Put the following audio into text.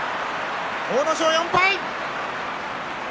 阿武咲は４敗。